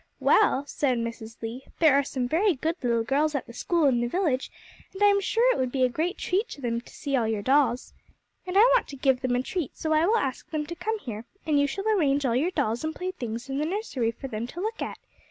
'Well, said Mrs. Lee, 'there are some very good little girls at the school in the village, and I am sure it would be a great treat to them to see all your dolls. And I want to give them a treat, so I will ask them to come here, and you shall arrange all your dolls and playthings in the nursery for them to look at.